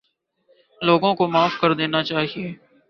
لوگوں کو معاف کر دینا چاہیے